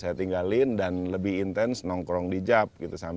saya tinggalkan dan lebih intens nongkrong di jaf